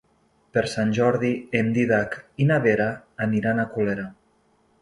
Per Sant Jordi en Dídac i na Vera aniran a Colera.